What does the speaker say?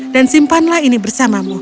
dan simpanlah ini bersamamu